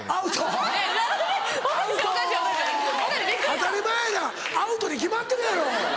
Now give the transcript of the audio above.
当たり前やアウトに決まってるやろ！